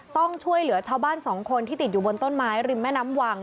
ต้องช่วยเหลือชาวบ้านสองคนที่ติดอยู่บนต้นไม้ริมแม่น้ำวัง